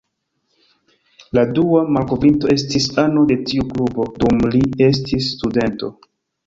La dua malkovrinto estis ano de tiu klubo dum li estis studento.